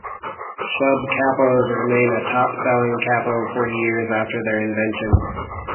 Shubb capos remain a "top-selling" capo forty years after their invention.